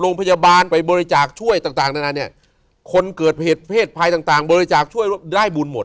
ดวงพยาบาลไปบริจาคช่วยต่างคนเกิดเพศภัยต่างบริจาคช่วยได้บุญหมด